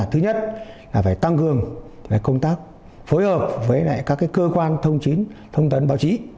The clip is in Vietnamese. thứ nhất là phải tăng cường công tác phối hợp với các cơ quan thông chính thông tấn báo chí